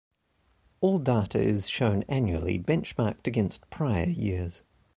All data is shown annually, benchmarked against prior years.